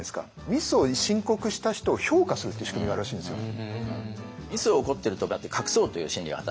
ミスを申告した人を評価するっていう仕組みがあるらしいんですよ。